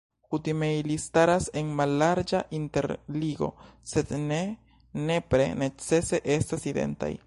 Kutime ili staras en mallarĝa interligo, sed ne nepre necese estas identaj.